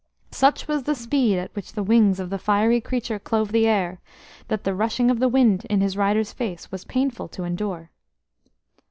Such was the speed at which the wings of the fiery creature clove the air that the rushing of the wind in his rider's face was painful to endure.